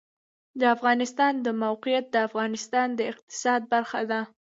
د افغانستان د موقعیت د افغانستان د اقتصاد برخه ده.